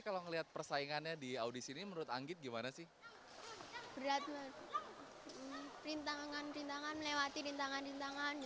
kalau melihat persaingannya di audisi ini menurut anggit gimana sih berat perintahkan rindangan